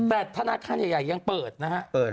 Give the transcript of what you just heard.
แต่ถ้าน่าคันใหญ่ยังเปิดนะครับ